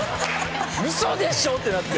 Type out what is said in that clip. ウソでしょ？ってなって。